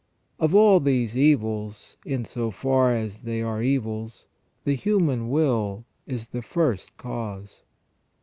Of all these evils, in so far as they are evils, the human will is the first cause.